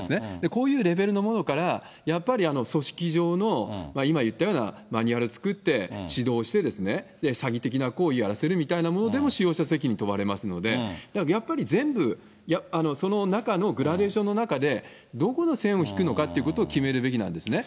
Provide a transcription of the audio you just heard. こういうレベルのものから、やっぱり組織上の今言ったようなマニュアル作って、指導して、詐欺的な行為やらせるみたいなことでも、使用者責任問われますので、やっぱり全部、その中のグラデーションの中で、どこの線を引くのかということを決めるべきなんですね。